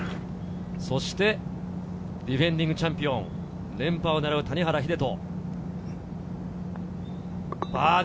そしてディフェンディングチャンピオン、連覇を狙う谷原秀人。